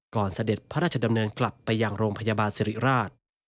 เสด็จพระราชดำเนินกลับไปยังโรงพยาบาลสิริราช